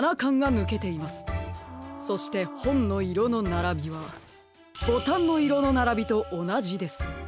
そしてほんのいろのならびはボタンのいろのならびとおなじです。